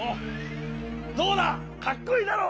どうだかっこいいだろう。